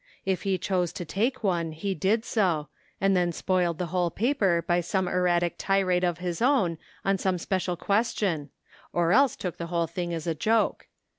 If he chose to take one he did so, and then spoiled the whole paper by some erratic tirade of his own on some special question; or else took the whole thing as a joke.